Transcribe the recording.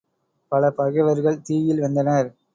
பல பகைவர்கள் தீயில் வெந்தனர்.